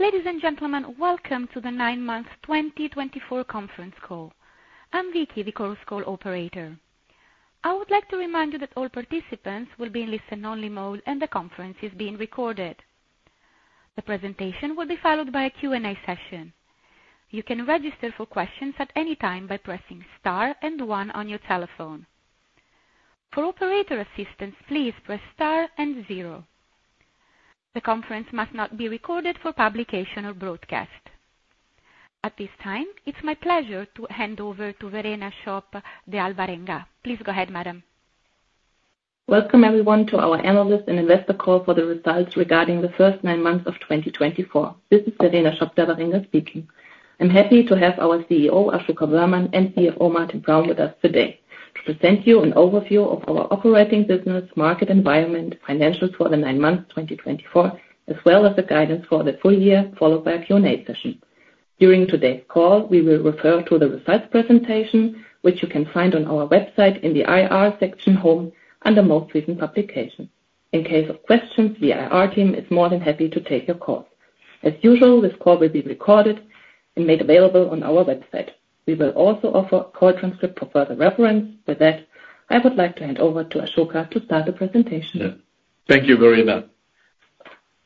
Ladies and gentlemen, welcome to the Nine Months 2024 Conference Call. I'm Vicky, the call operator. I would like to remind you that all participants will be in listen-only mode, and the conference is being recorded. The presentation will be followed by a Q&A session. You can register for questions at any time by pressing star and one on your telephone. For operator assistance, please press star and zero. The conference must not be recorded for publication or broadcast. At this time, it's my pleasure to hand over to Verena Schoppe-de Alvarenga. Please go ahead, madam. Welcome, everyone, to our analyst and investor call for the results regarding the first nine months of 2024. This is Verena Schoppe-de Alvarenga speaking. I'm happy to have our CEO, Asoka Wöhrmann, and CFO, Martin Praum, with us today to present you an overview of our operating business, market environment, financials for the nine months 2024, as well as the guidance for the full year, followed by a Q&A session. During today's call, we will refer to the results presentation, which you can find on our website in the IR section home under most recent publications. In case of questions, the IR team is more than happy to take your calls. As usual, this call will be recorded and made available on our website. We will also offer a call transcript for further reference. With that, I would like to hand over to Asoka to start the presentation. Thank you, Verena.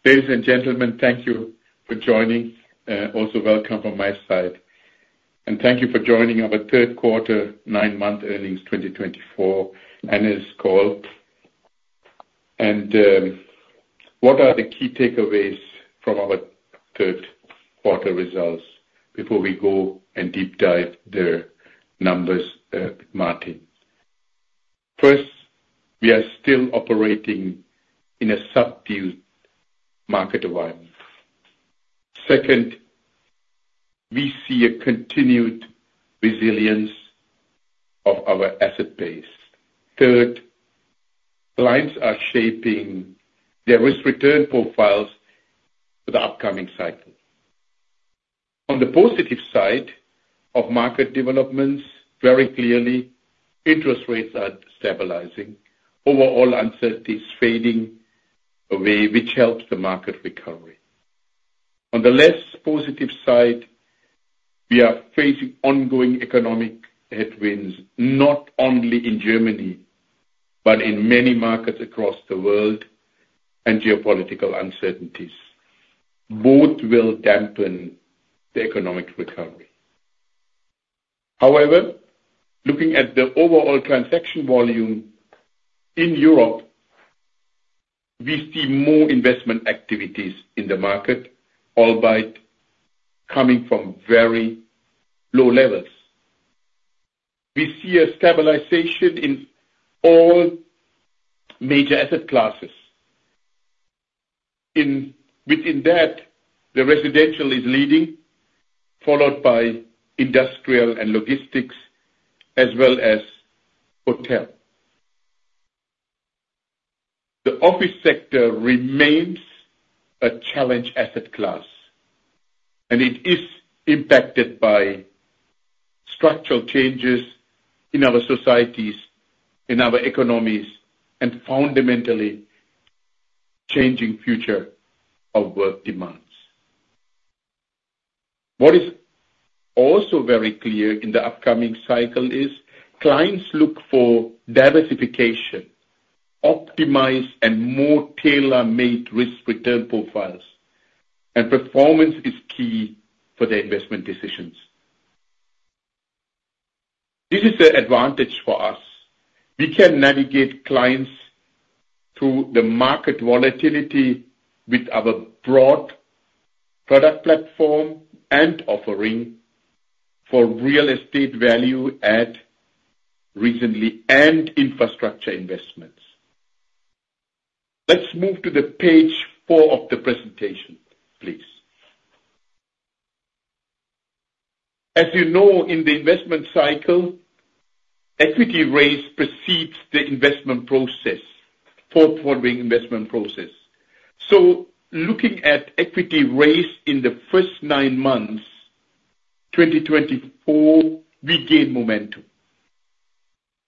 Ladies and gentlemen, thank you for joining. Also, welcome from my side, and thank you for joining our third quarter nine-month earnings 2024 analyst call, and what are the key takeaways from our third quarter results before we go and deep dive the numbers, Martin? First, we are still operating in a subdued market environment. Second, we see a continued resilience of our asset base. Third, clients are shaping their risk-return profiles for the upcoming cycle. On the positive side of market developments, very clearly, interest rates are stabilizing. Overall, uncertainty is fading away, which helps the market recovery. On the less positive side, we are facing ongoing economic headwinds, not only in Germany but in many markets across the world, and geopolitical uncertainties. Both will dampen the economic recovery. However, looking at the overall transaction volume in Europe, we see more investment activities in the market, albeit coming from very low levels. We see a stabilization in all major asset classes. Within that, the residential is leading, followed by industrial and logistics, as well as hotel. The office sector remains a challenge asset class, and it is impacted by structural changes in our societies, in our economies, and fundamentally changing future of work demands. What is also very clear in the upcoming cycle is clients look for diversification, optimized, and more tailor-made risk-return profiles, and performance is key for their investment decisions. This is an advantage for us. We can navigate clients through the market volatility with our broad product platform and offering for Real Estate, Value Add, Residential and Infrastructure investments. Let's move to page four of the presentation, please. As you know, in the investment cycle, equity raise precedes the investment process, forthcoming investment process, so looking at equity raise in the first nine months 2024, we gained momentum.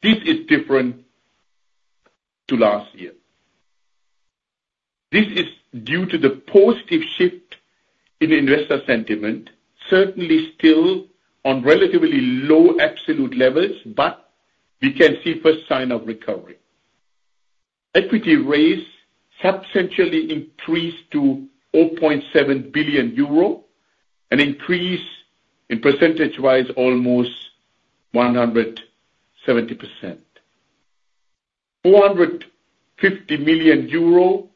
This is different to last year. This is due to the positive shift in investor sentiment, certainly still on relatively low absolute levels, but we can see first sign of recovery. Equity raise substantially increased to 0.7 billion euro, an increase in percentage-wise almost 170%. 450 million euro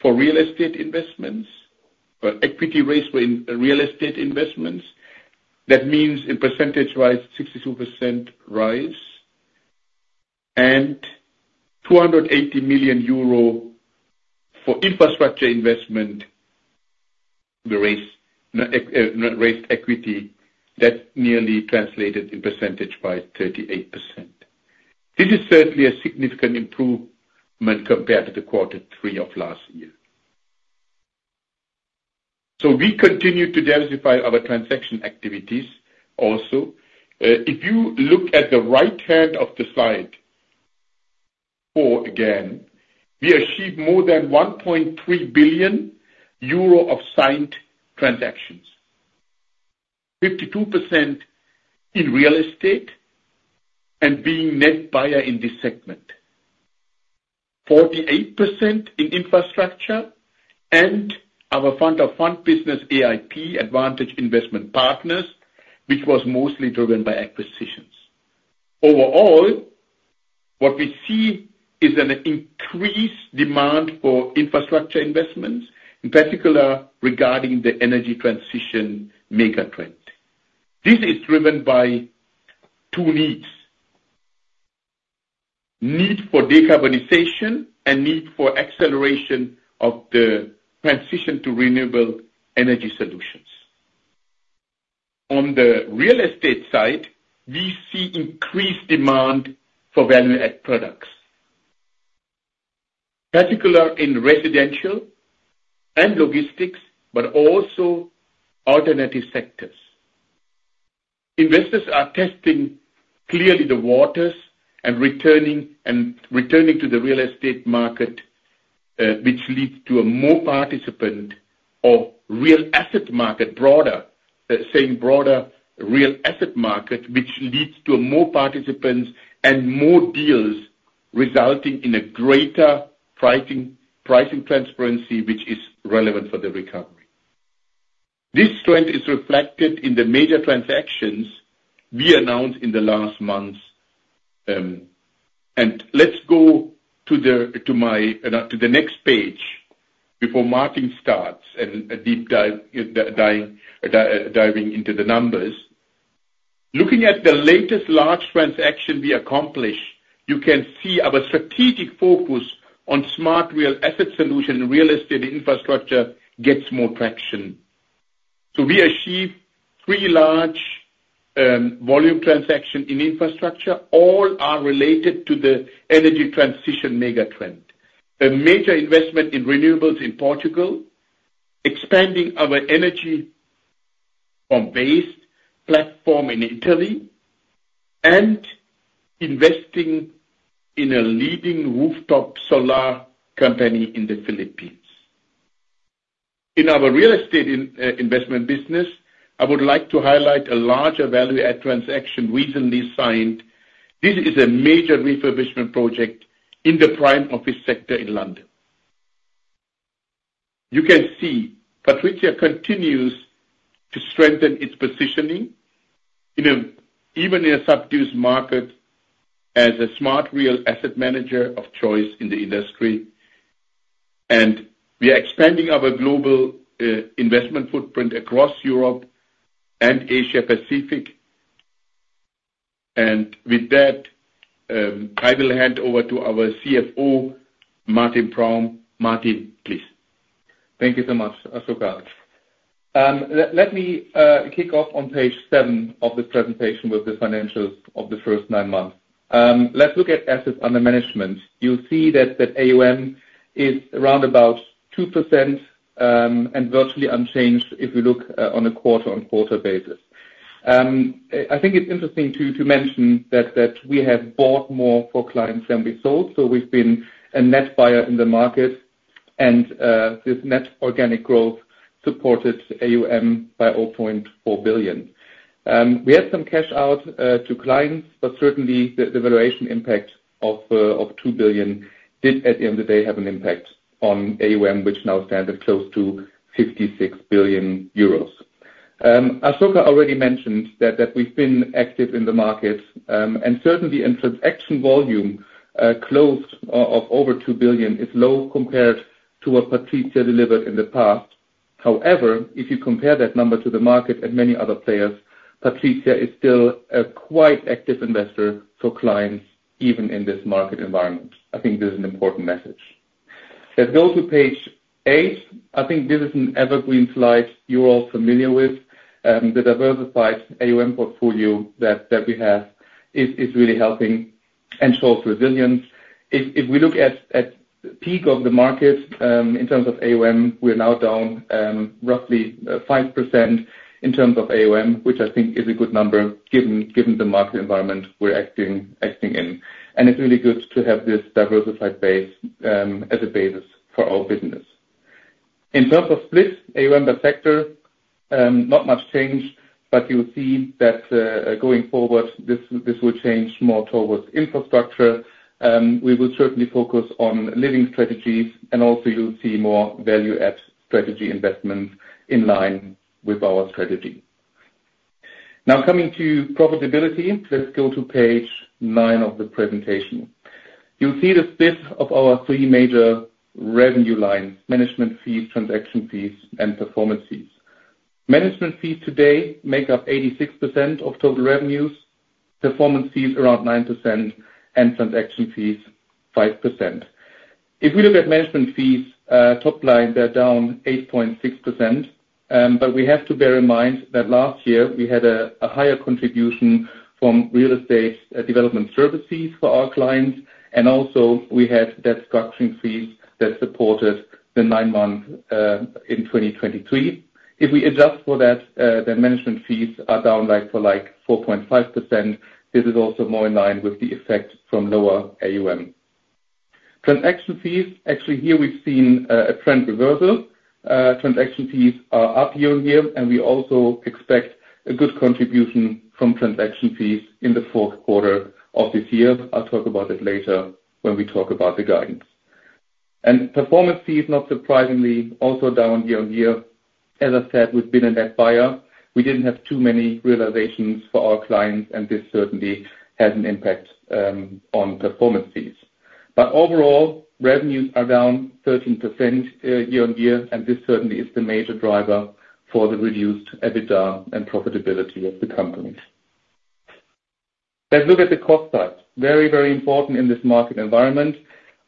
for real estate investments, or equity raise for real estate investments. That means a percentage-wise 62% rise, and 280 million euro for Infrastructure investment, the raised equity, that nearly translated in percentage by 38%. This is certainly a significant improvement compared to the quarter three of last year, so we continue to diversify our transaction activities also. If you look at the right hand of the slide four again, we achieved more than 1.3 billion euro of signed transactions, 52% in real estate and being net buyer in this segment, 48% in infrastructure, and our fund of funds business, AIP, Advantage Investment Partners, which was mostly driven by acquisitions. Overall, what we see is an increased demand for Infrastructure investments, in particular regarding the energy transition megatrend. This is driven by two needs: need for decarbonization and need for acceleration of the transition to renewable energy solutions. On the real estate side, we see increased demand for value-added products, particularly in residential and logistics, but also alternative sectors. Investors are testing clearly the waters and returning to the real estate market, which leads to a more participant or real asset market, broader, saying broader real asset market, which leads to more participants and more deals, resulting in a greater pricing transparency, which is relevant for the recovery. This trend is reflected in the major transactions we announced in the last months. And let's go to the next page before Martin starts and deep diving into the numbers. Looking at the latest large transaction we accomplished, you can see our strategic focus on Smart Real Asset Solutions and real estate infrastructure gets more traction. So we achieved three large volume transactions in infrastructure. All are related to the energy transition megatrend. A major investment in renewables in Portugal, expanding our Energy-from-Waste platform in Italy, and investing in a leading rooftop solar company in the Philippines. In our real estate investment business, I would like to highlight a larger value-added transaction recently signed. This is a major refurbishment project in the prime office sector in London. You can see Patrizia continues to strengthen its positioning even in a subdued market as a smart real asset manager of choice in the industry. And we are expanding our global investment footprint across Europe and Asia-Pacific. And with that, I will hand over to our CFO, Martin Praum. Martin, please. Thank you so much, Asoka. Let me kick off on page seven of the presentation with the financials of the first nine months. Let's look at assets under management. You'll see that the AUM is around about 2% and virtually unchanged if we look on a quarter-on-quarter basis. I think it's interesting to mention that we have bought more for clients than we sold. So we've been a net buyer in the market, and this net organic growth supported AUM by 0.4 billion. We had some cash out to clients, but certainly the valuation impact of 2 billion did, at the end of the day, have an impact on AUM, which now stands at close to 56 billion euros. Asoka already mentioned that we've been active in the market, and certainly in transaction volume, closed of over 2 billion is low compared to what Patrizia delivered in the past. However, if you compare that number to the market and many other players, Patrizia is still a quite active investor for clients even in this market environment. I think this is an important message. Let's go to page eight. I think this is an evergreen slide you're all familiar with. The diversified AUM portfolio that we have is really helping and shows resilience. If we look at the peak of the market in terms of AUM, we're now down roughly 5% in terms of AUM, which I think is a good number given the market environment we're acting in, and it's really good to have this diversified base as a basis for our business. In terms of split AUM by sector, not much change, but you'll see that going forward, this will change more towards infrastructure. We will certainly focus on living strategies, and also you'll see more value-added strategy investments in line with our strategy. Now coming to profitability, let's go to page nine of the presentation. You'll see the split of our three major revenue lines: management fees, transaction fees, and performance fees. Management fees today make up 86% of total revenues, performance fees around 9%, and transaction fees 5%. If we look at management fees, top line, they're down 8.6%. But we have to bear in mind that last year we had a higher contribution from real estate development services for our clients, and also we had that structuring fees that supported the nine months in 2023. If we adjust for that, then management fees are down for like 4.5%. This is also more in line with the effect from lower AUM. Transaction fees, actually here we've seen a trend reversal. Transaction fees are up here and here, and we also expect a good contribution from transaction fees in the fourth quarter of this year. I'll talk about it later when we talk about the guidance, and performance fees, not surprisingly, also down year-on-year. As I said, we've been a net buyer. We didn't have too many realizations for our clients, and this certainly has an impact on performance fees, but overall, revenues are down 13% year-on-year, and this certainly is the major driver for the reduced EBITDA and profitability of the company. Let's look at the cost side, very, very important in this market environment.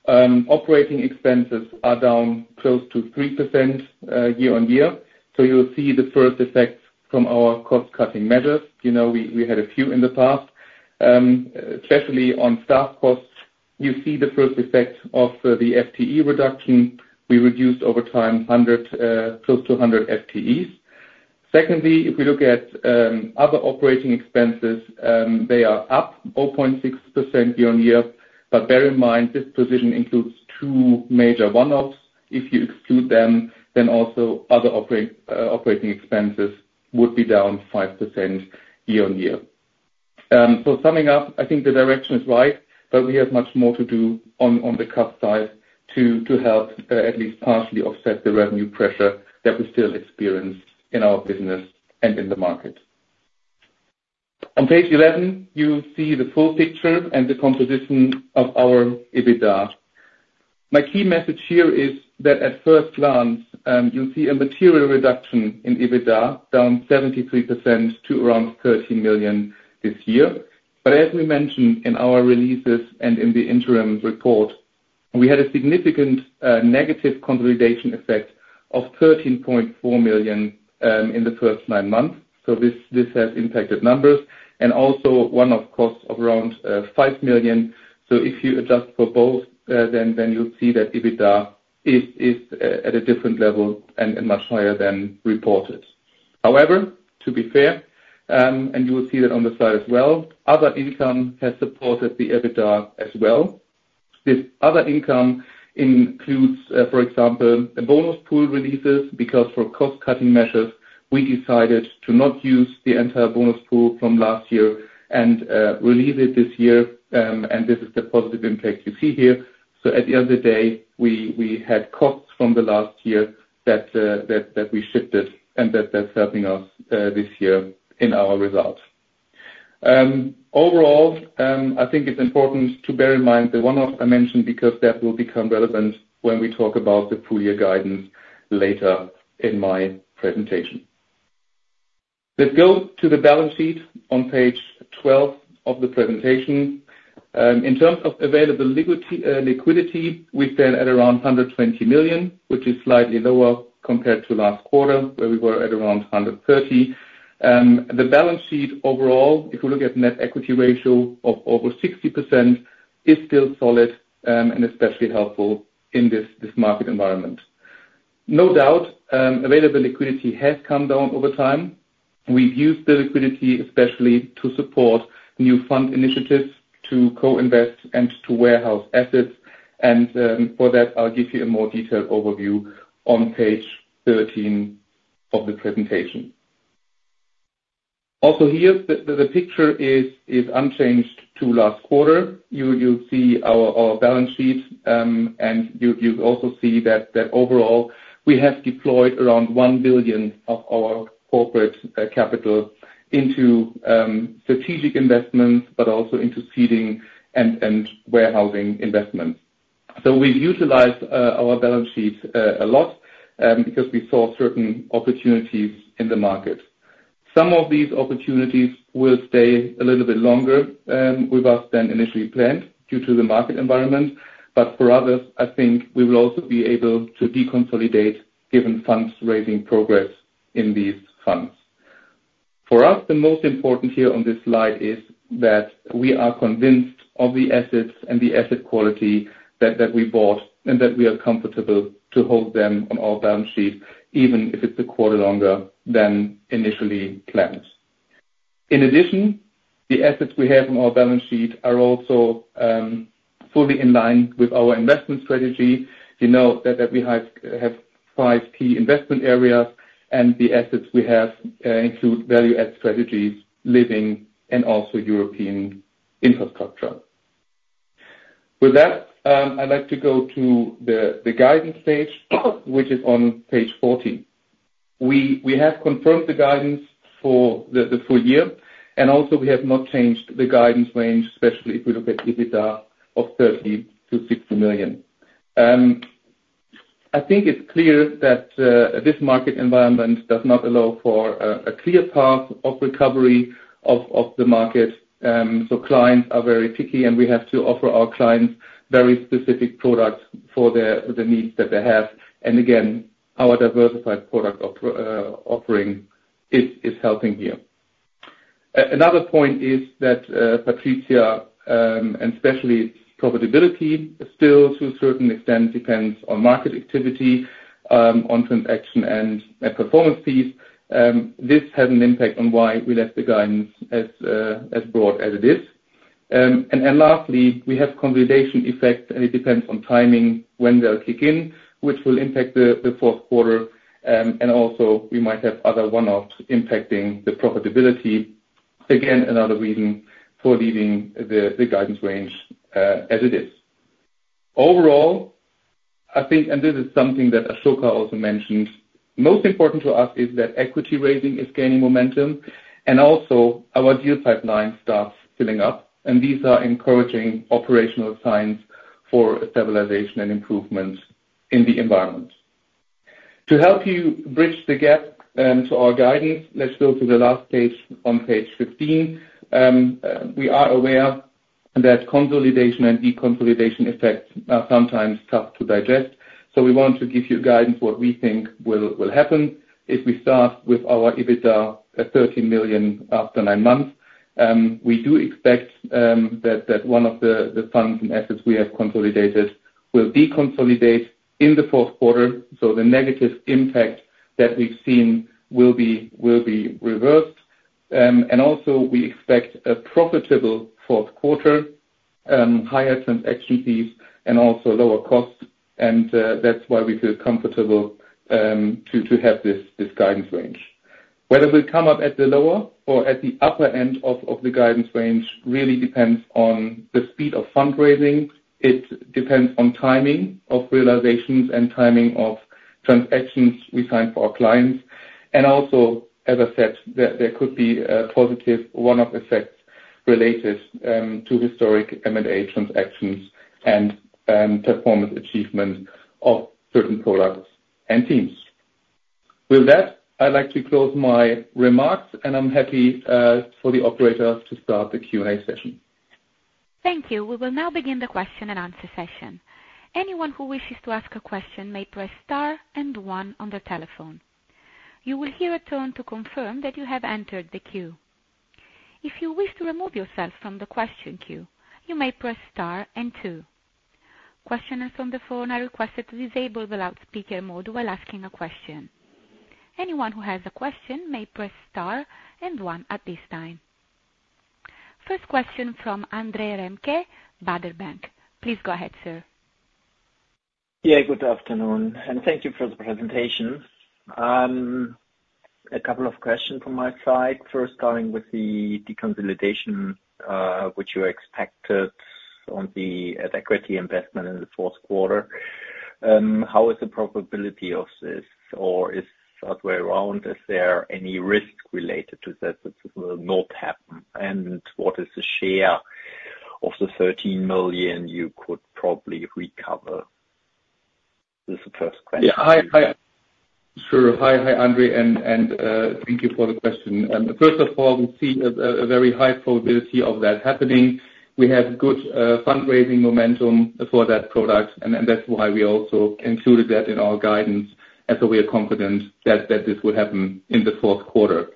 Operating expenses are down close to 3% year-on-year, so you'll see the first effects from our cost-cutting measures. We had a few in the past, especially on staff costs. You see the first effect of the FTE reduction. We reduced over time close to 100 FTEs. Secondly, if we look at other operating expenses, they are up 0.6% year-on-year. But bear in mind, this position includes two major one-offs. If you exclude them, then also other operating expenses would be down 5% year-on-year. So summing up, I think the direction is right, but we have much more to do on the cost side to help at least partially offset the revenue pressure that we still experience in our business and in the market. On page 11, you'll see the full picture and the composition of our EBITDA. My key message here is that at first glance, you'll see a material reduction in EBITDA, down 73% to around 30 million this year. But as we mentioned in our releases and in the interim report, we had a significant negative consolidation effect of 13.4 million in the first nine months. So this has impacted numbers and also one-off costs of around 5 million. So if you adjust for both, then you'll see that EBITDA is at a different level and much higher than reported. However, to be fair, and you will see that on the side as well, other income has supported the EBITDA as well. This other income includes, for example, the bonus pool releases because for cost-cutting measures, we decided to not use the entire bonus pool from last year and release it this year. And this is the positive impact you see here. So at the end of the day, we had costs from the last year that we shifted, and that's helping us this year in our results. Overall, I think it's important to bear in mind the one-off I mentioned because that will become relevant when we talk about the full year guidance later in my presentation. Let's go to the balance sheet on page 12 of the presentation. In terms of available liquidity, we stand at around 120 million, which is slightly lower compared to last quarter, where we were at around 130 million. The balance sheet overall, if we look at net equity ratio of over 60%, is still solid and especially helpful in this market environment. No doubt, available liquidity has come down over time. We've used the liquidity, especially to support new fund initiatives, to co-invest, and to warehouse assets. And for that, I'll give you a more detailed overview on page 13 of the presentation. Also here, the picture is unchanged from last quarter. You'll see our balance sheet, and you'll also see that overall, we have deployed around 1 billion of our corporate capital into strategic investments, but also into seeding and warehousing investments. So we've utilized our balance sheet a lot because we saw certain opportunities in the market. Some of these opportunities will stay a little bit longer with us than initially planned due to the market environment. But for others, I think we will also be able to deconsolidate given funds raising progress in these funds. For us, the most important here on this slide is that we are convinced of the assets and the asset quality that we bought and that we are comfortable to hold them on our balance sheet, even if it's a quarter longer than initially planned. In addition, the assets we have on our balance sheet are also fully in line with our investment strategy. You know that we have five key investment areas, and the assets we have include value-added strategies, living, and also European infrastructure. With that, I'd like to go to the guidance page, which is on page 14. We have confirmed the guidance for the full year, and also we have not changed the guidance range, especially if we look at EBITDA of 30-60 million. I think it's clear that this market environment does not allow for a clear path of recovery of the market. So clients are very picky, and we have to offer our clients very specific products for the needs that they have. And again, our diversified product offering is helping here. Another point is that Patrizia, and especially profitability, still to a certain extent depends on market activity, on transaction and performance fees. This has an impact on why we left the guidance as broad as it is. And lastly, we have consolidation effect, and it depends on timing when they'll kick in, which will impact the fourth quarter. And also, we might have other one-offs impacting the profitability. Again, another reason for leaving the guidance range as it is. Overall, I think, and this is something that Asoka also mentioned, most important to us is that equity raising is gaining momentum, and also our deal pipeline starts filling up. And these are encouraging operational signs for stabilization and improvement in the environment. To help you bridge the gap to our guidance, let's go to the last page on page 15. We are aware that consolidation and deconsolidation effects are sometimes tough to digest. So we want to give you guidance on what we think will happen. If we start with our EBITDA at 30 million after nine months, we do expect that one of the funds and assets we have consolidated will deconsolidate in the fourth quarter. So the negative impact that we've seen will be reversed. And also, we expect a profitable fourth quarter, higher transaction fees, and also lower costs. And that's why we feel comfortable to have this guidance range. Whether we come up at the lower or at the upper end of the guidance range really depends on the speed of fundraising. It depends on timing of realizations and timing of transactions we sign for our clients. And also, as I said, there could be a positive one-off effect related to historic M&A transactions and performance achievement of certain products and teams. With that, I'd like to close my remarks, and I'm happy for the operators to start the Q&A session. Thank you. We will now begin the question and answer session. Anyone who wishes to ask a question may press star and one on the telephone. You will hear a tone to confirm that you have entered the queue. If you wish to remove yourself from the question queue, you may press star and two. Questioners on the phone are requested to disable the loudspeaker mode while asking a question. Anyone who has a question may press star and one at this time. First question from Andre Remke, Baader Bank. Please go ahead, sir. Yeah, good afternoon, and thank you for the presentation. A couple of questions from my side. First, starting with the consolidation, which you expected on the equity investment in the fourth quarter. How is the probability of this, or is it the other way around? Is there any risk related to that that will not happen? And what is the share of the 13 million you could probably recover? This is the first question. Yeah, hi. Sure. Hi, Andre, and thank you for the question. First of all, we see a very high probability of that happening. We have good fundraising momentum for that product, and that's why we also included that in our guidance, as we are confident that this will happen in the fourth quarter.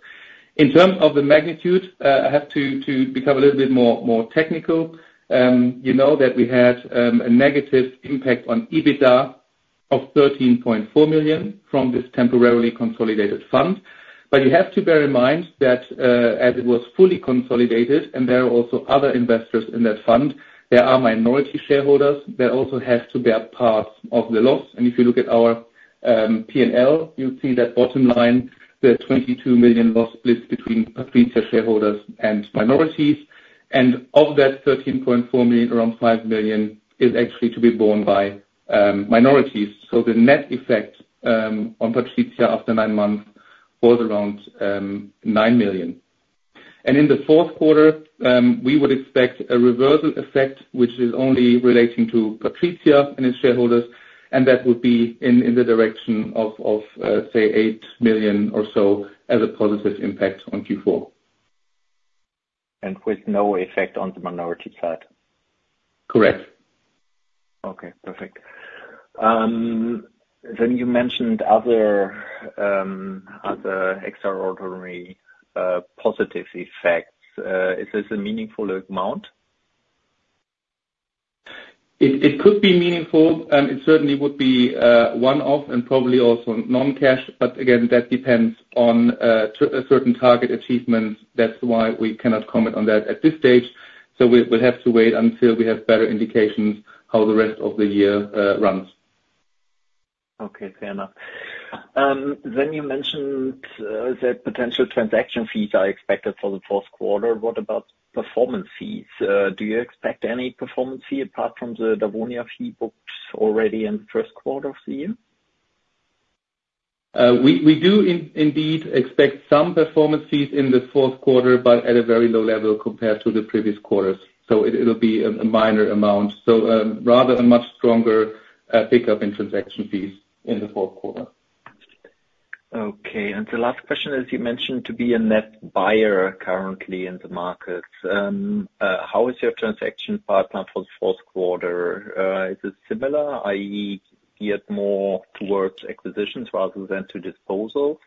In terms of the magnitude, I have to become a little bit more technical. You know that we had a negative impact on EBITDA of 13.4 million from this temporarily consolidated fund. But you have to bear in mind that as it was fully consolidated, and there are also other investors in that fund, there are minority shareholders that also have to bear part of the loss. And if you look at our P&L, you'll see that bottom line, the 22 million loss split between Patrizia shareholders and minorities. And of that 13.4 million, around 5 million is actually to be borne by minorities. So the net effect on Patrizia after nine months was around 9 million. And in the fourth quarter, we would expect a reversal effect, which is only relating to Patrizia and its shareholders, and that would be in the direction of, say, 8 million or so as a positive impact on Q4. With no effect on the minority side? Correct. Okay, perfect. Then you mentioned other extraordinary positive effects. Is this a meaningful amount? It could be meaningful. It certainly would be one-off and probably also non-cash. But again, that depends on certain target achievements. That's why we cannot comment on that at this stage. So we'll have to wait until we have better indications of how the rest of the year runs. Okay, fair enough. Then you mentioned that potential transaction fees are expected for the fourth quarter. What about performance fees? Do you expect any performance fee apart from the Dawonia fee booked already in the first quarter of the year? We do indeed expect some performance fees in the fourth quarter, but at a very low level compared to the previous quarters. So it'll be a minor amount. So rather a much stronger pickup in transaction fees in the fourth quarter. Okay. And the last question is, you mentioned to be a net buyer currently in the market. How is your transaction pipeline for the fourth quarter? Is it similar, i.e., geared more towards acquisitions rather than to disposals?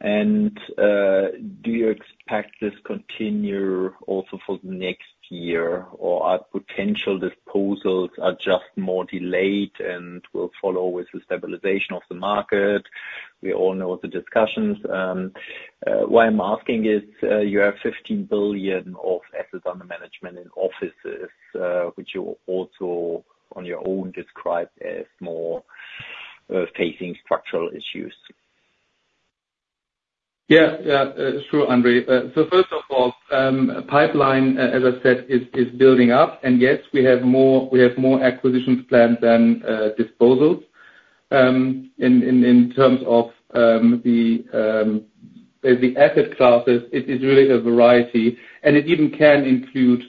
And do you expect this to continue also for the next year, or are potential disposals just more delayed and will follow with the stabilization of the market? We all know the discussions. What I'm asking is, you have 15 billion of assets under management in offices, which you also on your own describe as more facing structural issues. Yeah, yeah. Sure, Andre. So first of all, pipeline, as I said, is building up. And yes, we have more acquisitions planned than disposals. In terms of the asset classes, it is really a variety. And it even can include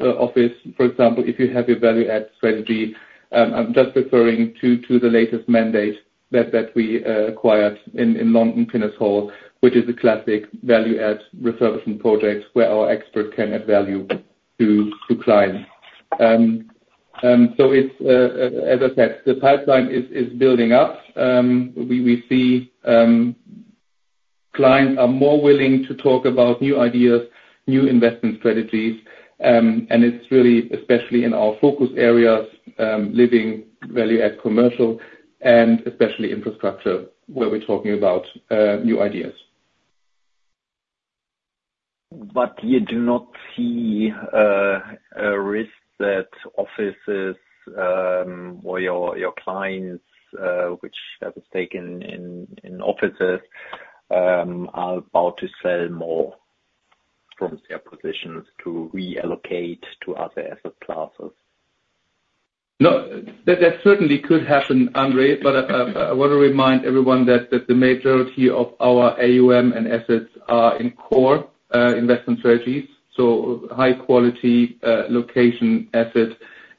office. For example, if you have a value-added strategy, I'm just referring to the latest mandate that we acquired in London Pinnacle, which is a classic value-added refurbishment project where our experts can add value to clients. So it's, as I said, the pipeline is building up. We see clients are more willing to talk about new ideas, new investment strategies. And it's really, especially in our focus areas, living, value-added commercial, and especially infrastructure where we're talking about new ideas. But you do not see a risk that offices or your clients, which have a stake in offices, are about to sell more from their positions to reallocate to other asset classes? No, that certainly could happen, Andre. But I want to remind everyone that the majority of our AUM and assets are in core investment strategies. So high-quality location asset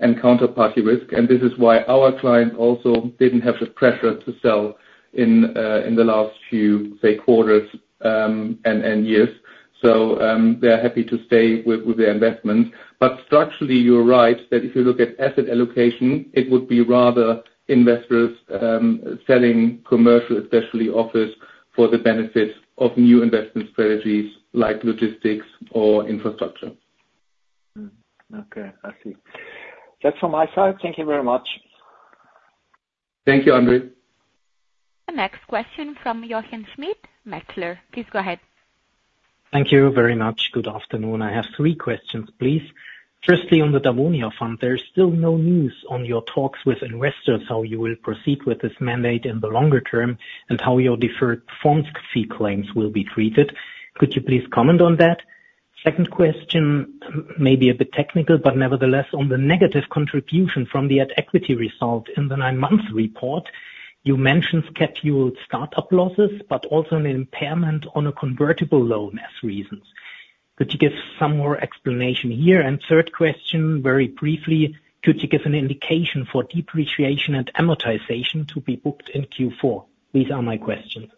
and counterparty risk. And this is why our clients also didn't have the pressure to sell in the last few, say, quarters and years. So they're happy to stay with their investments. But structurally, you're right that if you look at asset allocation, it would be rather investors selling commercial, especially office, for the benefit of new investment strategies like logistics or infrastructure. Okay, I see. That's from my side. Thank you very much. Thank you, Andre. The next question from Jochen Schmitt, Metzler. Please go ahead. Thank you very much. Good afternoon. I have three questions, please. Firstly, on the Dawonia fund, there is still no news on your talks with investors, how you will proceed with this mandate in the longer term and how your deferred funds fee claims will be treated. Could you please comment on that? Second question, maybe a bit technical, but nevertheless, on the negative contribution from the equity result in the nine-month report, you mentioned scheduled startup losses, but also an impairment on a convertible loan as reasons. Could you give some more explanation here? And third question, very briefly, could you give an indication for depreciation and amortization to be booked in Q4? These are my questions.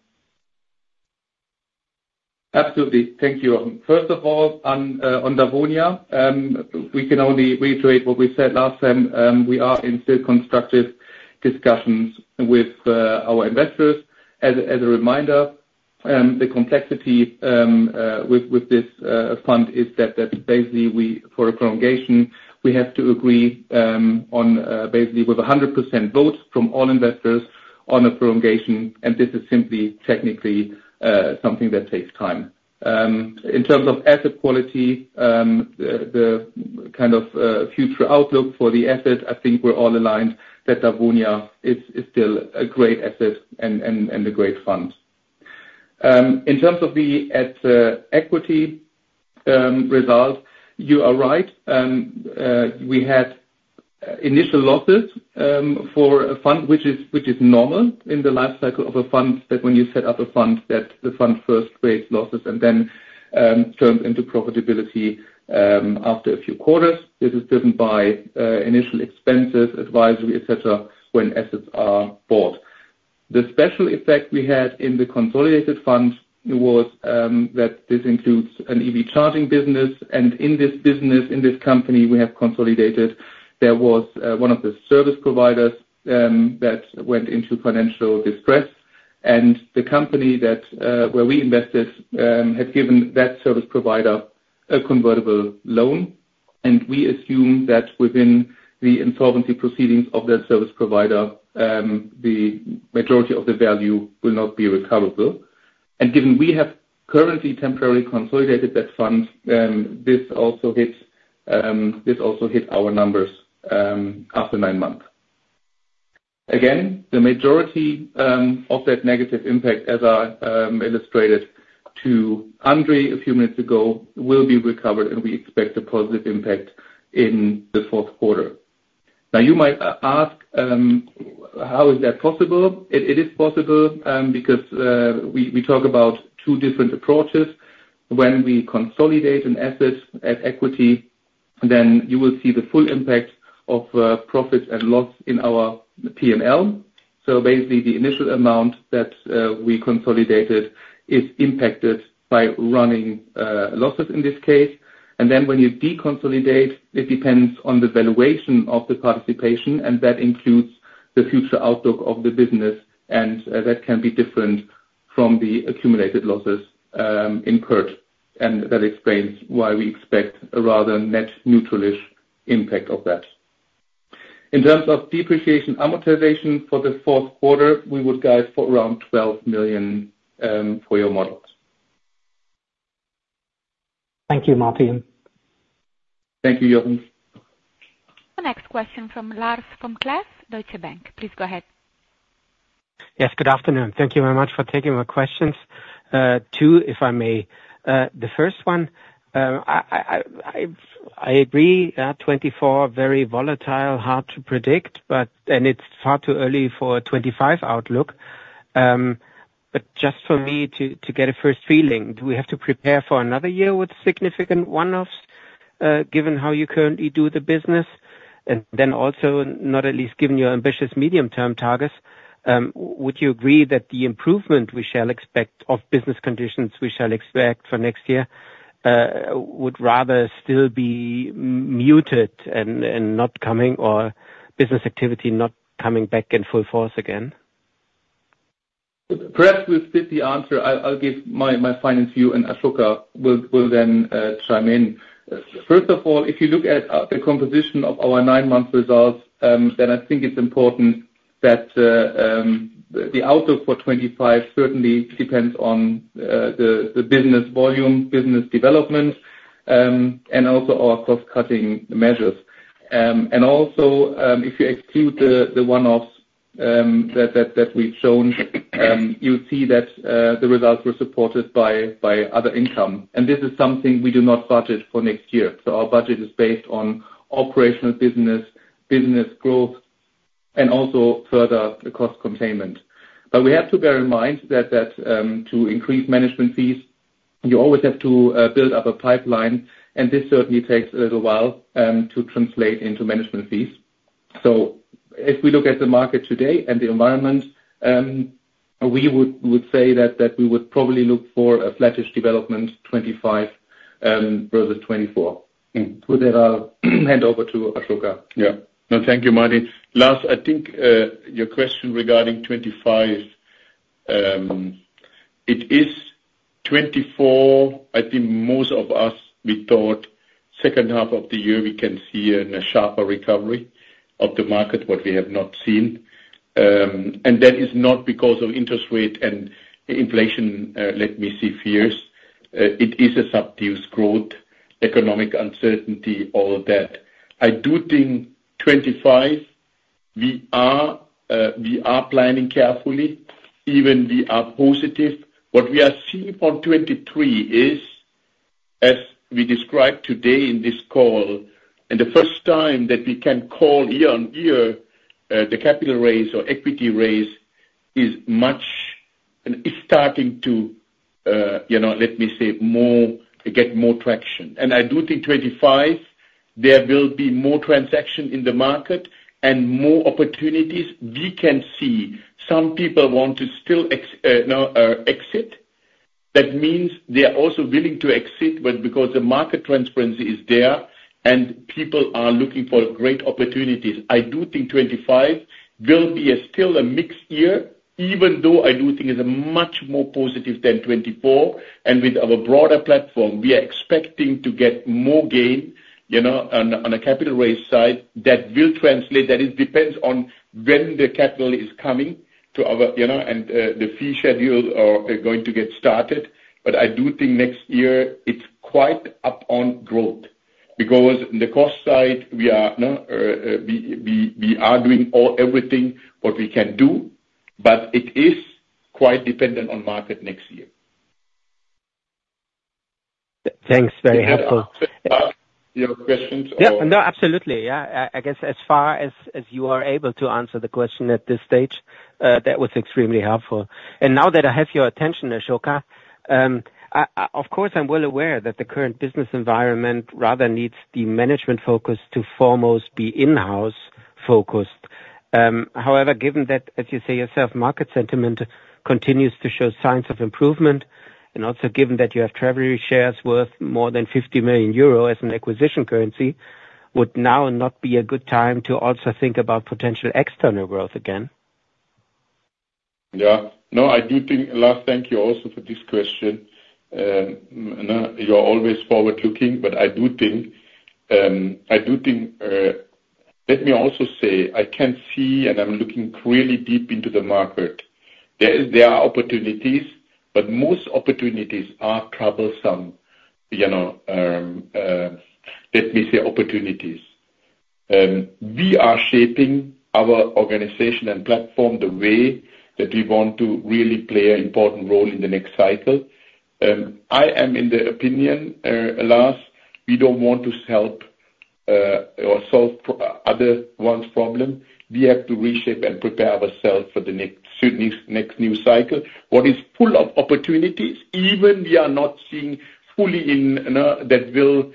Absolutely. Thank you. First of all, on Dawonia, we can only reiterate what we said last time. We are still in constructive discussions with our investors. As a reminder, the complexity with this fund is that basically for a prolongation, we have to agree basically with 100% votes from all investors on a prolongation. And this is simply technically something that takes time. In terms of asset quality, the kind of future outlook for the asset, I think we're all aligned that Dawonia is still a great asset and a great fund. In terms of the equity result, you are right. We had initial losses for a fund, which is normal in the life cycle of a fund, that when you set up a fund, that the fund first creates losses and then turns into profitability after a few quarters. This is driven by initial expenses, advisory, etc., when assets are bought. The special effect we had in the consolidated fund was that this includes an EV charging business. And in this business, in this company we have consolidated, there was one of the service providers that went into financial distress. And the company where we invested had given that service provider a convertible loan. And we assume that within the insolvency proceedings of that service provider, the majority of the value will not be recoverable. And given we have currently temporarily consolidated that fund, this also hit our numbers after nine months. Again, the majority of that negative impact, as I illustrated to Andre a few minutes ago, will be recovered, and we expect a positive impact in the fourth quarter. Now, you might ask, how is that possible? It is possible because we talk about two different approaches. When we consolidate an asset at equity, then you will see the full impact of profits and loss in our P&L. So basically, the initial amount that we consolidated is impacted by running losses in this case. And then when you deconsolidate, it depends on the valuation of the participation, and that includes the future outlook of the business. And that can be different from the accumulated losses incurred. And that explains why we expect a rather net neutral-ish impact of that. In terms of depreciation amortization for the fourth quarter, we would guide for around 12 million for your models. Thank you, Martin. Thank you, Jochen. The next question from Lars vom Cleff, Deutsche Bank. Please go ahead. Yes, good afternoon. Thank you very much for taking my questions. Two, if I may. The first one, I agree. 2024, very volatile, hard to predict, and it's far too early for a 2025 outlook. But just for me to get a first feeling, do we have to prepare for another year with significant one-offs given how you currently do the business? And then also, not at least given your ambitious medium-term targets, would you agree that the improvement we shall expect of business conditions we shall expect for next year would rather still be muted and not coming, or business activity not coming back in full force again? Perhaps with the answer, I'll give my final view, and Asoka will then chime in. First of all, if you look at the composition of our nine-month results, then I think it's important that the outlook for 2025 certainly depends on the business volume, business development, and also our cost-cutting measures. And also, if you exclude the one-offs that we've shown, you'll see that the results were supported by other income. And this is something we do not budget for next year. So our budget is based on operational business, business growth, and also further the cost containment. But we have to bear in mind that to increase management fees, you always have to build up a pipeline. And this certainly takes a little while to translate into management fees. So if we look at the market today and the environment, we would say that we would probably look for a flattish development 2025 versus 2024. With that, I'll hand over to Asoka. Yeah. No, thank you, Martin. Last, I think your question regarding 2025, it is 2024. I think most of us, we thought second half of the year we can see a sharper recovery of the market, but we have not seen. And that is not because of interest rate and inflation, let me see, fears. It is a subdued growth, economic uncertainty, all that. I do think 2025, we are planning carefully. Even we are positive. What we are seeing for 2023 is, as we described today in this call, and the first time that we can call year on year, the capital raise or equity raise is starting to, let me say, get more traction. And I do think 2025, there will be more transaction in the market and more opportunities we can see. Some people want to still exit. That means they are also willing to exit because the market transparency is there and people are looking for great opportunities. I do think 2025 will be still a mixed year, even though I do think it's much more positive than 2024. And with our broader platform, we are expecting to get more gain on a capital raise side that will translate that. It depends on when the capital is coming to us and the fee schedules are going to get started. But I do think next year it's quite up on growth because on the cost side, we are doing everything what we can do, but it is quite dependent on the market next year. Thanks. Very helpful. Yeah. Your questions? Yeah. No, absolutely. Yeah. I guess as far as you are able to answer the question at this stage, that was extremely helpful. And now that I have your attention, Asoka, of course, I'm well aware that the current business environment rather needs the management focus to foremost be in-house focused. However, given that, as you say yourself, market sentiment continues to show signs of improvement, and also given that you have treasury shares worth more than 50 million euro as an acquisition currency, would now not be a good time to also think about potential external growth again? Yeah. No, I do think, Lars, thank you also for this question. You're always forward-looking, but I do think let me also say, I can see and I'm looking really deep into the market. There are opportunities, but most opportunities are troublesome. Let me say, opportunities. We are shaping our organization and platform the way that we want to really play an important role in the next cycle. In my opinion, Lars, we don't want to help or solve other ones' problems. We have to reshape and prepare ourselves for the next new cycle. What is full of opportunities, even we are not seeing fully that will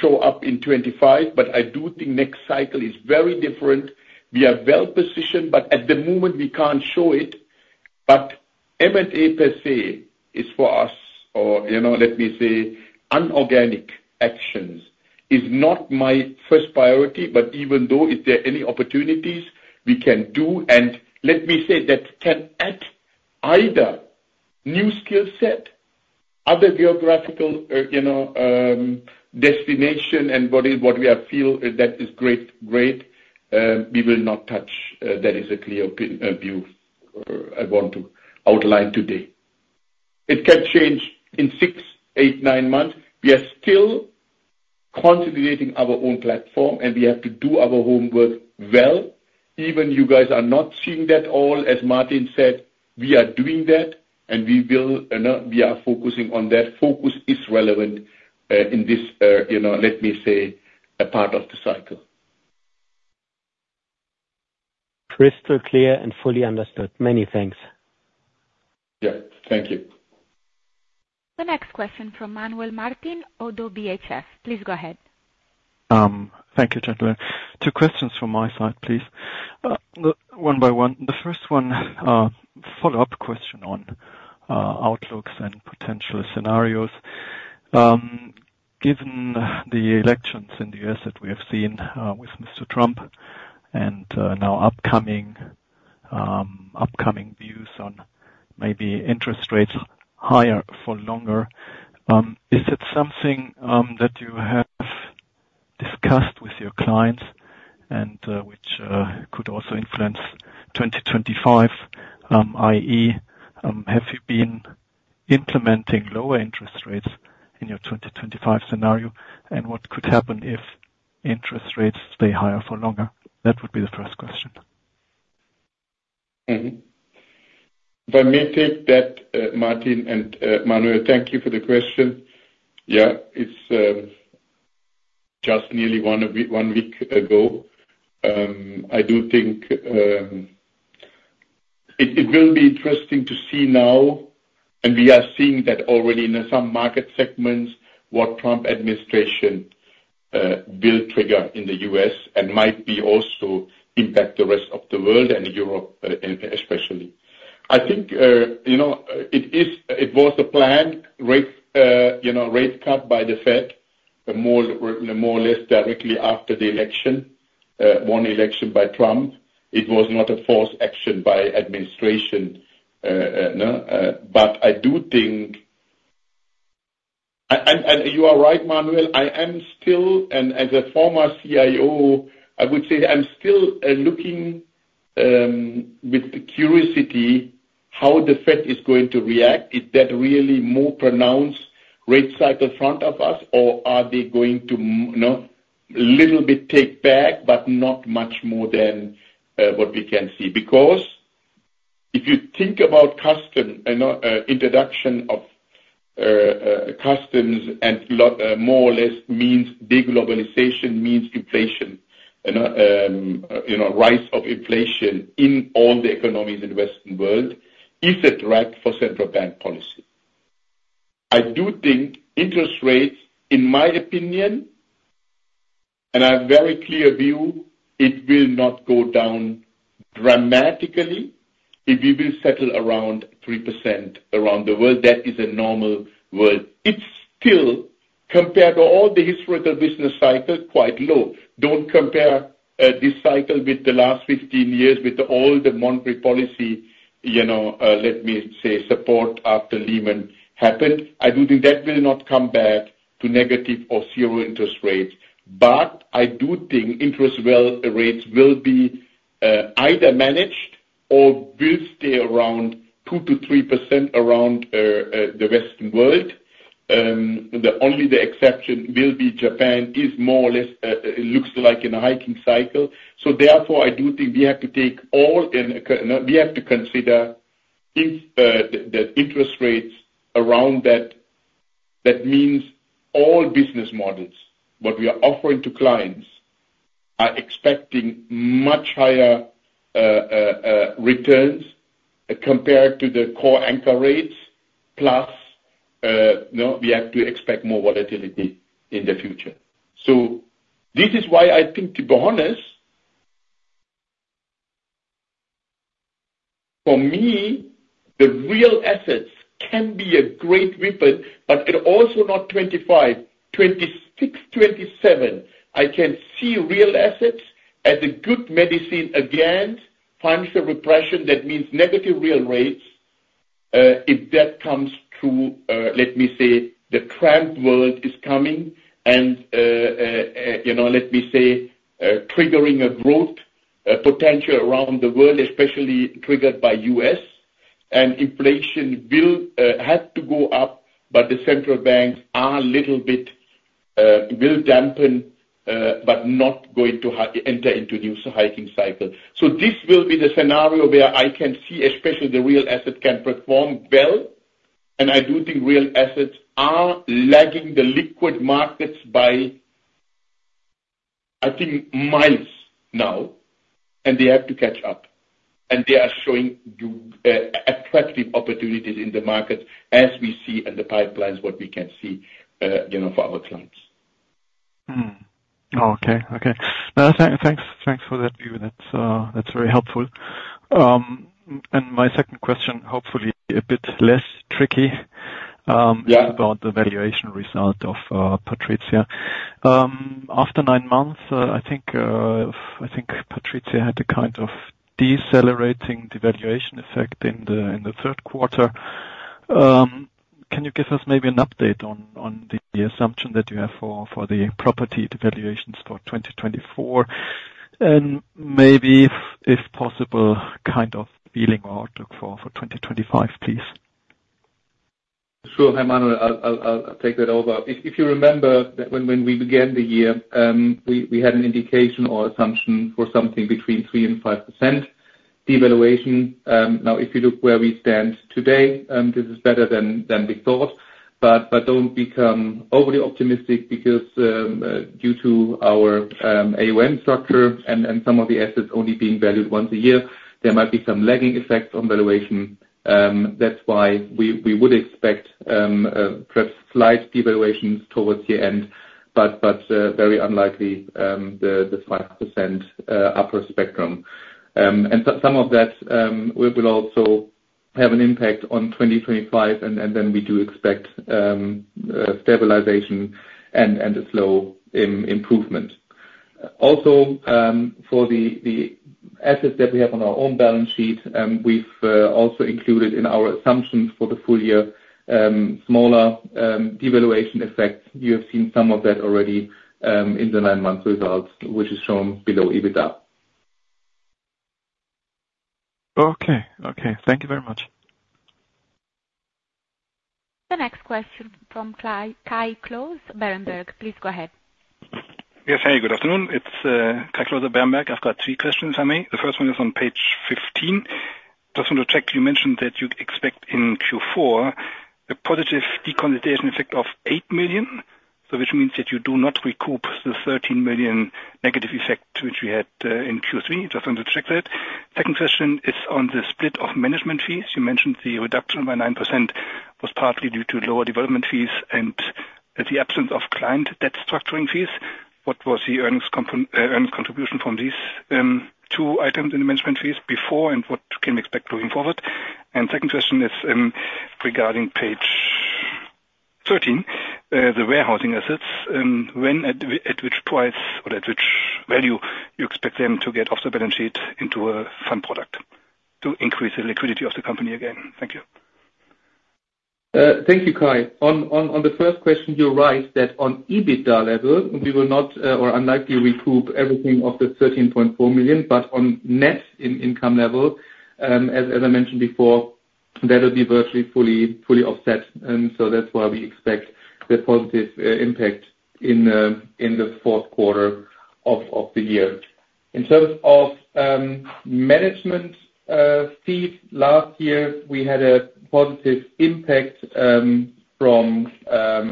show up in 2025. But I do think next cycle is very different. We are well positioned, but at the moment, we can't show it. But M&A per se is for us, or let me say, inorganic actions is not my first priority. But even though if there are any opportunities, we can do. And let me say that can add either new skill set, other geographical destination, and what we feel that is great, we will not touch. That is a clear view I want to outline today. It can change in six, eight, nine months. We are still consolidating our own platform, and we have to do our homework well. Even though you guys are not seeing that at all, as Martin said, we are doing that, and we are focusing on that. Focus is relevant in this, let me say, part of the cycle. Crystal clear and fully understood. Many thanks. Yeah. Thank you. The next question from Manuel Martin, ODDO BHF. Please go ahead. Thank you, gentlemen. Two questions from my side, please. One by one. The first one, follow-up question on outlooks and potential scenarios. Given the elections in the U.S. that we have seen with Mr. Trump and now upcoming views on maybe interest rates higher for longer, is it something that you have discussed with your clients and which could also influence 2025? I.e., have you been implementing lower interest rates in your 2025 scenario? And what could happen if interest rates stay higher for longer? That would be the first question. I may take that, Martin and Manuel. Thank you for the question. Yeah, it's just nearly one week ago. I do think it will be interesting to see now, and we are seeing that already in some market segments, what Trump administration will trigger in the U.S. and might also impact the rest of the world and Europe, especially. I think it was a planned rate cut by the Fed, more or less directly after the election, one election by Trump. It was not a forced action by administration. But I do think you are right, Manuel. I am still, and as a former CIO, I would say I'm still looking with curiosity how the Fed is going to react. Is that really more pronounced rate cycle front of us, or are they going to a little bit take back, but not much more than what we can see? Because if you think about customs and introduction of customs and more or less means deglobalization means inflation, rise of inflation in all the economies in the Western world, is it right for central bank policy? I do think interest rates, in my opinion, and I have a very clear view, it will not go down dramatically if we will settle around 3% around the world. That is a normal world. It's still, compared to all the historical business cycles, quite low. Don't compare this cycle with the last 15 years with all the monetary policy, let me say, support after Lehman happened. I do think that will not come back to negative or zero interest rates. But I do think interest rates will be either managed or will stay around 2%-3% around the Western world. Only the exception will be Japan, which is more or less. It looks like in a hiking cycle. So therefore, I do think we have to take all in. We have to consider the interest rates around that. That means all business models, what we are offering to clients, are expecting much higher returns compared to the core anchor rates. Plus, we have to expect more volatility in the future. So this is why I think, to be honest, for me, the real assets can be a great weapon, but it also not 25, 26, 27. I can see real assets as a good medicine against financial repression. That means negative real rates if that comes through. Let me say, the Trump world is coming, and let me say, triggering a growth potential around the world, especially triggered by the U.S. Inflation will have to go up, but the central banks are a little bit will dampen, but not going to enter into a new hiking cycle. This will be the scenario where I can see, especially the real asset can perform well. I do think real assets are lagging the liquid markets by, I think, miles now, and they have to catch up. They are showing attractive opportunities in the markets as we see in the pipelines what we can see for our clients. Okay. Okay. Thanks for that view. That's very helpful. And my second question, hopefully a bit less tricky, is about the valuation result of Patrizia. After nine months, I think Patrizia had a kind of decelerating devaluation effect in the third quarter. Can you give us maybe an update on the assumption that you have for the property devaluations for 2024? And maybe, if possible, kind of feeling or outlook for 2025, please. Sure. Hey, Manuel, I'll take that over. If you remember when we began the year, we had an indication or assumption for something between 3%-5% devaluation. Now, if you look where we stand today, this is better than we thought. But don't become overly optimistic because due to our AUM structure and some of the assets only being valued once a year, there might be some lagging effect on valuation. That's why we would expect perhaps slight devaluations towards the end, but very unlikely the 5% upper spectrum. And some of that will also have an impact on 2025, and then we do expect stabilization and a slow improvement. Also, for the assets that we have on our own balance sheet, we've also included in our assumption for the full year smaller devaluation effects. You have seen some of that already in the nine-month results, which is shown below EBITDA. Okay. Okay. Thank you very much. The next question from Kai Klose, Berenberg. Please go ahead. Yes. Hey, good afternoon. It's Kai Klose at Berenberg. I've got three questions for me. The first one is on page 15. Just want to check. You mentioned that you expect in Q4 a positive deconsolidation effect of 8 million, which means that you do not recoup the 13 million negative effect which we had in Q3. Just want to check that. Second question is on the split of management fees. You mentioned the reduction by 9% was partly due to lower development fees and the absence of client debt structuring fees. What was the earnings contribution from these two items in the management fees before, and what can we expect going forward? And second question is regarding page 13, the warehousing assets. At which price or at which value you expect them to get off the balance sheet into a fund product to increase the liquidity of the company again? Thank you. Thank you, Kai. On the first question, you're right that on EBITDA level, we will not or unlikely recoup everything of the 13.4 million, but on net income level, as I mentioned before, that will be virtually fully offset, and so that's why we expect the positive impact in the fourth quarter of the year. In terms of management fees, last year, we had a positive impact from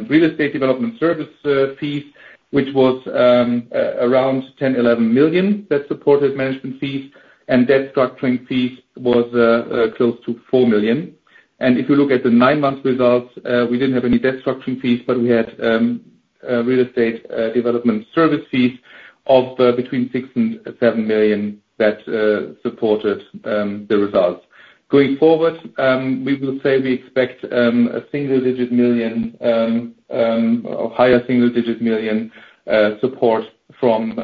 real estate development service fees, which was around 10 million-11 million that supported management fees, and debt structuring fees was close to 4 million, and if you look at the nine-month results, we didn't have any debt structuring fees, but we had real estate development service fees of between 6 million and 7 million that supported the results. Going forward, we will say we expect a single-digit million EUR or higher single-digit million EUR support from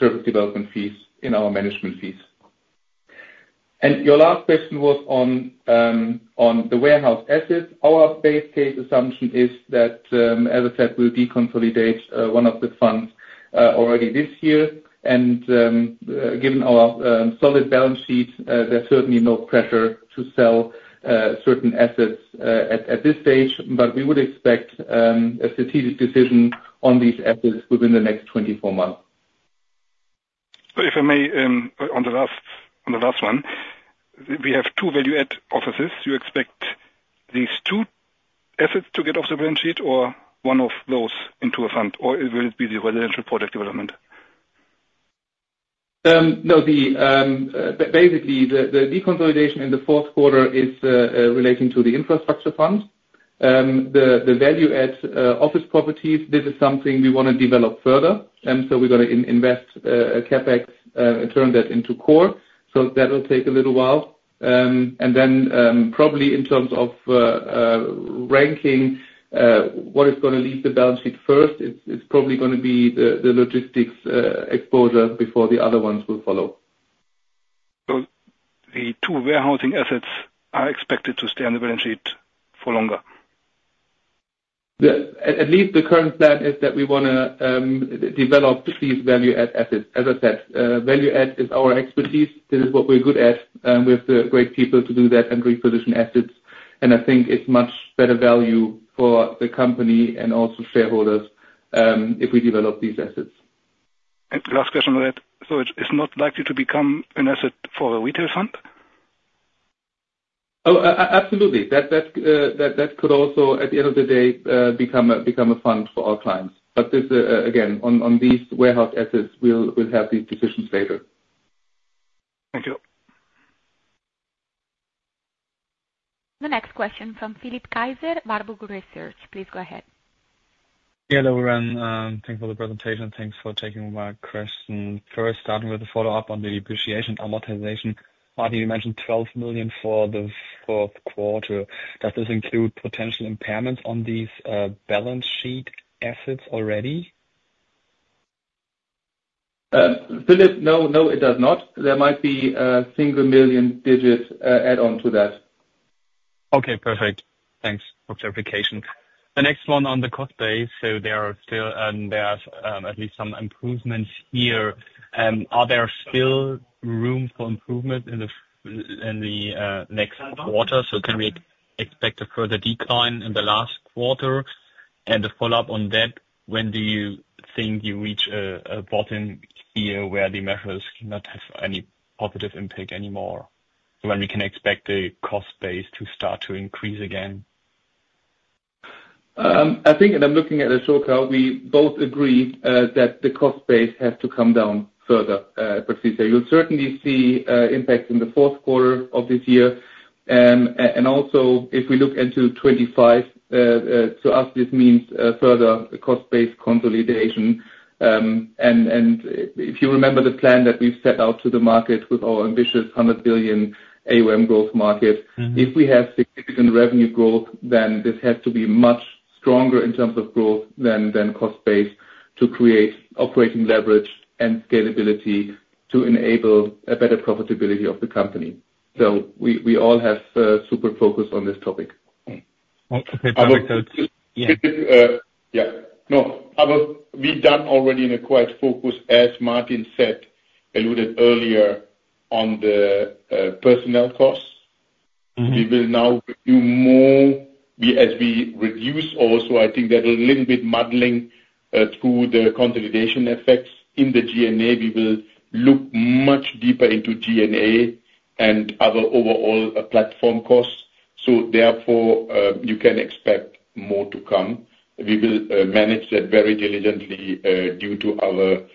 service development fees in our management fees. Your last question was on the warehouse assets. Our base case assumption is that, as I said, we'll deconsolidate one of the funds already this year. Given our solid balance sheet, there's certainly no pressure to sell certain assets at this stage, but we would expect a strategic decision on these assets within the next 24 months. If I may, on the last one, we have two value-add offices. You expect these two assets to get off the balance sheet or one of those into a fund, or will it be the residential project development? No, basically, the deconsolidation in the fourth quarter is relating to the infrastructure fund. The value-add office properties, this is something we want to develop further. And so we're going to invest CapEx and turn that into core. So that will take a little while. And then probably in terms of ranking, what is going to leave the balance sheet first, it's probably going to be the logistics exposure before the other ones will follow. So the two warehousing assets are expected to stay on the balance sheet for longer? At least the current plan is that we want to develop these value-add assets. As I said, value-add is our expertise. This is what we're good at. We have the great people to do that and reposition assets, and I think it's much better value for the company and also shareholders if we develop these assets. And the last question on that. So it's not likely to become an asset for a retail fund? Oh, absolutely. That could also, at the end of the day, become a fund for our clients. But again, on these warehouse assets, we'll have these decisions later. Thank you. The next question from Philipp Kaiser, Warburg Research. Please go ahead. Hello, everyone. Thank you for the presentation. Thanks for taking my question. First, starting with a follow-up on the depreciation amortization. Martin, you mentioned 12 million for the fourth quarter. Does this include potential impairments on these balance sheet assets already? Philipp, no, no, it does not. There might be a single million digit add-on to that. Okay. Perfect. Thanks for clarification. The next one on the cost base, so there are still at least some improvements here. Are there still room for improvement in the next quarter? So can we expect a further decline in the last quarter? And the follow-up on that, when do you think you reach a bottom here where the measures cannot have any positive impact anymore? When we can expect the cost base to start to increase again? I think, and I'm looking at a shortcut, we both agree that the cost base has to come down further, Patrizia. You'll certainly see impact in the fourth quarter of this year, and also, if we look into 2025, to us, this means further cost base consolidation, and if you remember the plan that we've set out to the market with our ambitious 100 billion AUM growth target, if we have significant revenue growth, then this has to be much stronger in terms of growth than cost base to create operating leverage and scalability to enable a better profitability of the company, so we all have super focus on this topic. Okay. Perfect. Yeah. No. We've done already in quite a focus, as Martin said, alluded earlier on the personnel costs. We will now do more as we reduce also. I think that a little bit muddling through the consolidation effects in the G&A. We will look much deeper into G&A and other overall platform costs. So therefore, you can expect more to come. We will manage that very diligently due to our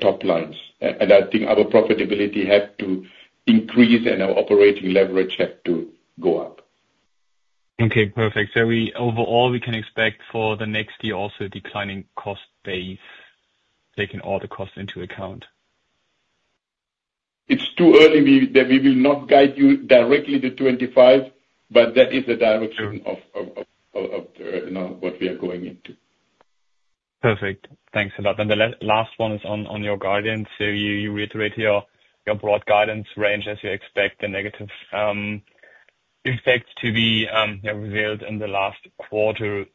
top lines. And I think our profitability has to increase and our operating leverage has to go up. Okay. Perfect. So overall, we can expect for the next year also declining cost base, taking all the costs into account. It's too early that we will not guide you directly to 25, but that is the direction of what we are going into. Perfect. Thanks a lot. And the last one is on your guidance. So you reiterate your broad guidance range as you expect the negative effects to be revealed in the last quarter.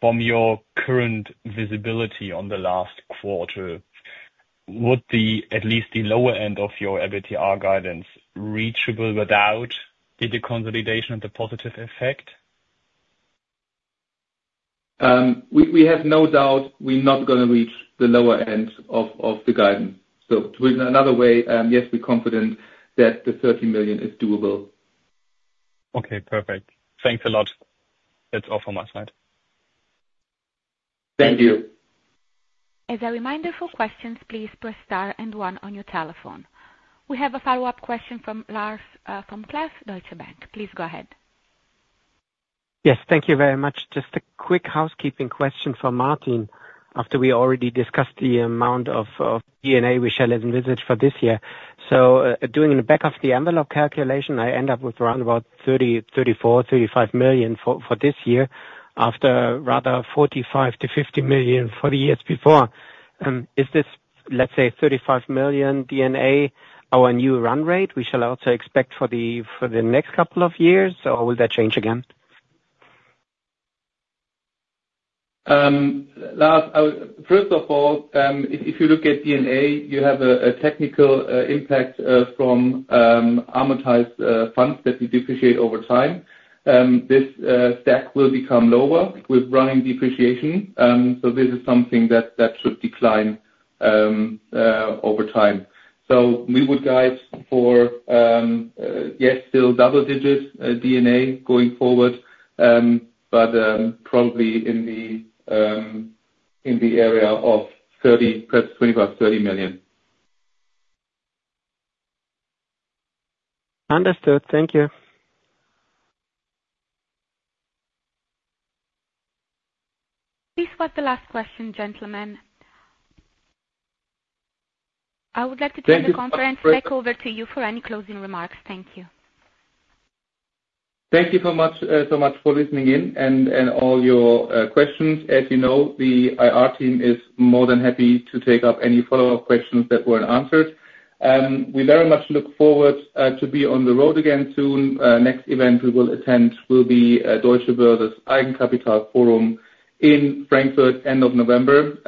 From your current visibility on the last quarter, would at least the lower end of your EBITDA guidance reachable without the deconsolidation of the positive effect? We have no doubt we're not going to reach the lower end of the guidance. So in another way, yes, we're confident that the 30 million is doable. Okay. Perfect. Thanks a lot. That's all from my side. Thank you. As a reminder for questions, please press star and one on your telephone. We have a follow-up question from Lars vom Cleff, Deutsche Bank. Please go ahead. Yes. Thank you very much. Just a quick housekeeping question for Martin. After we already discussed the amount of G&A we shall envisage for this year. So doing the back-of-the-envelope calculation, I end up with around about 30 million, 34 million, 35 million for this year after rather 45 million to 50 million for the years before. Is this, let's say, 35 million G&A our new run rate we shall also expect for the next couple of years? Or will that change again? First of all, if you look at G&A, you have a technical impact from amortized funds that we depreciate over time. This stack will become lower with running depreciation. So this is something that should decline over time. So we would guide for, yes, still double-digit G&A going forward, but probably in the area of 30 million, perhaps 25 million-30 million. Understood. Thank you. Please pass the last question, gentlemen. I would like to turn the conference back over to you for any closing remarks. Thank you. Thank you so much for listening in and all your questions. As you know, the IR team is more than happy to take up any follow-up questions that weren't answered. We very much look forward to being on the road again soon. The next event we will attend will be Deutsche Börse's Eigenkapitalforum in Frankfurt end of November,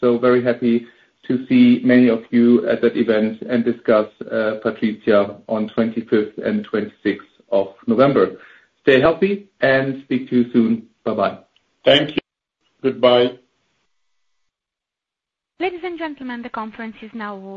so very happy to see many of you at that event and discuss Patrizia on 25th and 26th of November. Stay healthy and speak to you soon. Bye-bye. Thank you. Goodbye. Ladies and gentlemen, the conference is now.